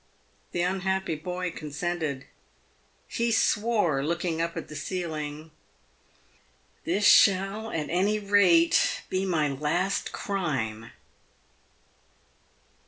The unhappy boy consented. He swore, looking up at the ceiling, " This shall, at any rate, be my last crime